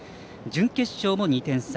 準決勝も２点差。